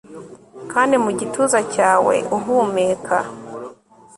kandi mu gituza cyawe uhumeka